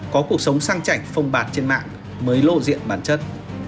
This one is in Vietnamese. có cuộc sống sang chảnh phong bạt trên mạng mới lộ diện bản chất